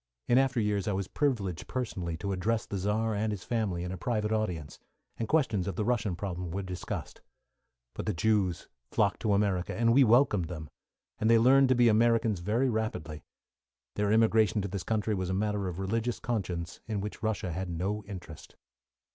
In after years I was privileged personally to address the Czar and his family, in a private audience, and questions of the Russian problem were discussed; but the Jews flocked to America, and we welcomed them, and they learned to be Americans very rapidly. Their immigration to this country was a matter of religious conscience, in which Russia had no interest.